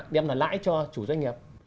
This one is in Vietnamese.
đem lại cho chủ doanh nghiệp